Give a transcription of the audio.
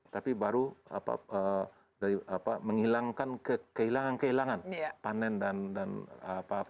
tapi baru menghilangkan kehilangan kehilangan panen dan pengilingan tadi itu